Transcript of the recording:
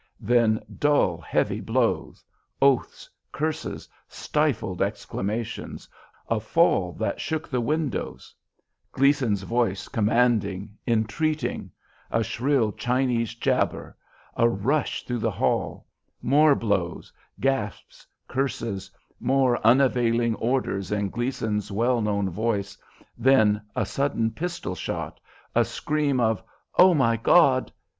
Then dull, heavy blows; oaths, curses, stifled exclamations; a fall that shook the windows; Gleason's voice commanding, entreating; a shrill Chinese jabber; a rush through the hall; more blows; gasps; curses; more unavailing orders in Gleason's well known voice; then a sudden pistol shot, a scream of "Oh, my God!"